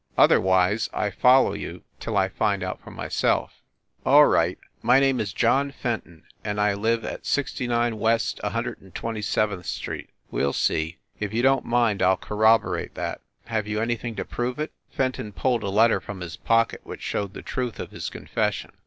Otherwise I follow you till I find out for myself." TOO FIND THE WOMAN "All right. My name is John Fenton, and I live at 69 West a Hundred and Twenty seventh Street." "We ll see. If you don t mind, I ll corroborate that. Have you anything to prove it?" Fenton pulled a letter from his pocket which showed the truth of his confession.